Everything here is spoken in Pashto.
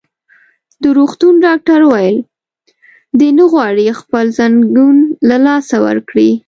د روغتون ډاکټر وویل: دی نه غواړي خپل ځنګون له لاسه ورکړي.